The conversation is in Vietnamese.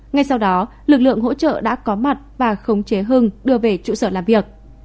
ngay sau đó lực lượng hỗ trợ đã có mặt và khống chế hưng đưa về trụ sở làm việc